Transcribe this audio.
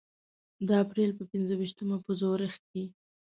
د اپریل په پنځه ویشتمه په زوریخ کې.